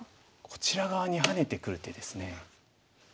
こちら側にハネてくる手ですね。